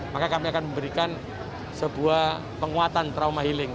maka kami akan memberikan sebuah penguatan trauma healing